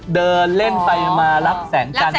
เดินเล่นไปมารับแสงจันทร์